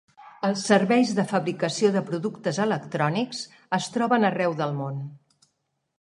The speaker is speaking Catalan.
Els serveis de fabricació de productes electrònics es troben arreu del món.